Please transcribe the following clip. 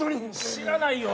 知らないよ。